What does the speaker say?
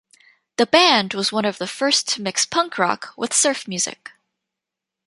The band was one of the first to mix punk rock with surf music.